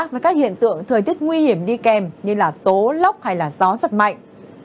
sức cảnh giác với các hiện tượng thời tiết nguy hiểm đi kèm như tố lóc hay gió giật mạnh